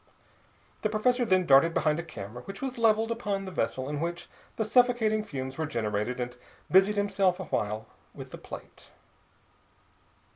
The professor then darted behind a camera which was leveled upon the vessel in which the suffocating fumes were generated and busied himself awhile with the plate.